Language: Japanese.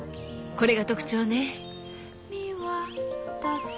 これが特徴ね。